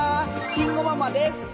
慎吾ママです。